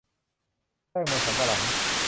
แป้งมันสำปะหลัง